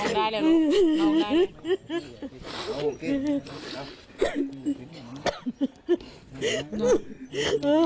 อรินเนี่ย